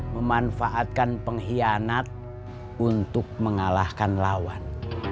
memanfaatkan pengkhianat untuk mengalahkan lawan